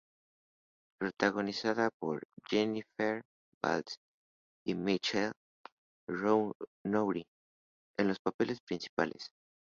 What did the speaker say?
Protagonizada por Jennifer Beals y Michael Nouri en los papeles principales.